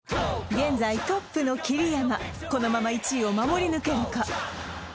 現在トップの桐山このまま１位を守り抜けるか？